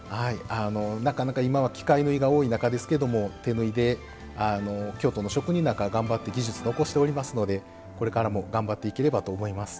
なかなか今は機械縫いが多い中ですけども手縫いで京都の職人なんかは頑張って技術残しておりますのでこれからも頑張っていければと思います。